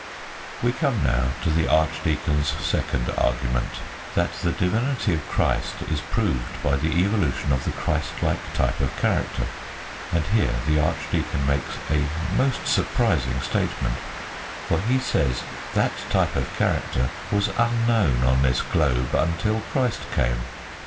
We come now to the archdeacon's second argument: that the divinity of Christ is proved by the evolution of the Christlike type of character. And here the archdeacon makes a most surprising statement, for he says that type of character was unknown on this globe until Christ came.